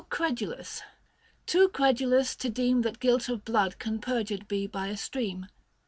credulous, too credulous, to deem That guilt of blood can purged be by a stream.